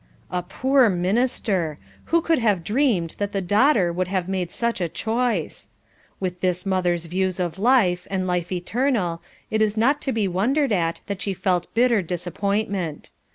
A poor minister! who could have dreamed that the daughter would have made such a choice. With this mother's views of life, and life eternal, it is not to be wondered at that she felt bitter disappointment.